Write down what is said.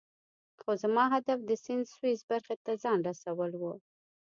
خو زما هدف د سیند سویسی برخې ته ځان رسول وو.